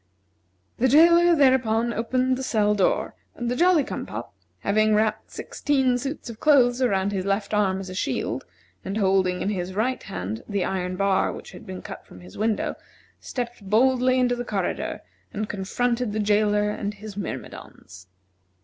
The jailer thereupon opened the cell door, and the Jolly cum pop, having wrapped sixteen suits of clothes around his left arm as a shield, and holding in his right hand the iron bar which had been cut from his window, stepped boldly into the corridor, and confronted the jailer and his myrmidons.